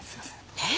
えっ！？